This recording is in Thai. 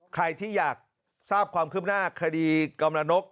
ใครที่อยากทราบความคืบหน้าคดีกำลังนก